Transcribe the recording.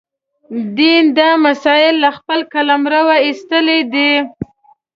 دین دا مسأله له خپل قلمروه ایستلې ده.